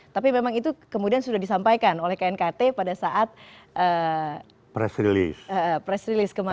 tapi memang itu kemudian sudah disampaikan oleh knkt pada saat press release kemarin